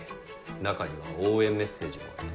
中には応援メッセージもあった。